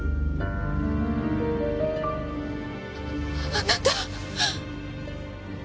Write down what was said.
あなた。